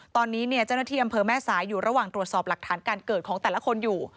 ตอนนี้เจ้าหน้าที่อำเภอแม่สายอยู่ระหว่างตรวจสอบหลักฐานการเกิดของแต่ละคนอยู่